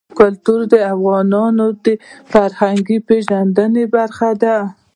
کلتور د افغانانو د فرهنګي پیژندنې برخه ده.